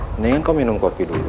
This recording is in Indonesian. mendingan kau minum kopi dulu